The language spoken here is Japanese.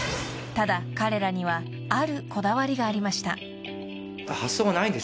［ただ彼らにはあるこだわりがありました］